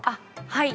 はい。